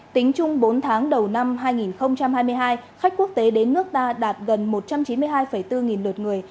tính chung bốn tháng đầu năm hai nghìn hai mươi hai khách quốc tế đến nước ta đạt gần một trăm chín mươi hai bốn nghìn lượt người